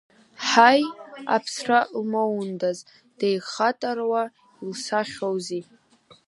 Ҳаи, аԥсра лмоундаз, деихатаруа, илсахьоузеи.